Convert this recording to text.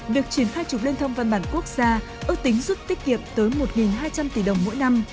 việc triển khai trục liên thông văn bản quốc gia ước tính giúp tiết kiệm tới một hai trăm linh tỷ đồng mỗi năm